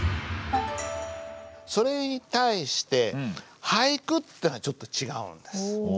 それに対して俳句っていうのはちょっと違うんです。